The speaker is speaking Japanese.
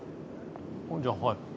ああじゃあはい。